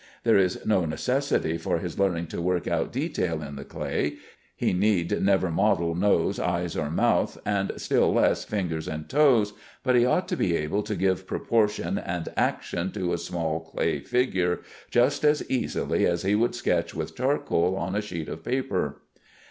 There is no necessity for his learning to work out detail in the clay; he need never model nose, eyes, or mouth, and still less fingers and toes, but he ought to be able to give proportion and action to a small clay figure, just as easily as he would sketch with charcoal on a sheet of paper.